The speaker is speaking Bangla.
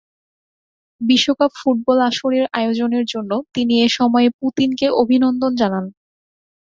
বিশ্বকাপ ফুটবল আসরের আয়োজনের জন্য তিনি এ সময় পুতিনকে অভিনন্দন জানান।